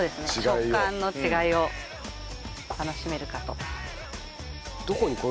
食感の違いを楽しめるかと。